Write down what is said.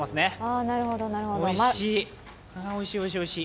あ、おいしい、おいしい。